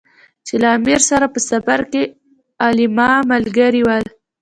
چې له امیر سره په سفر کې علما ملګري ول.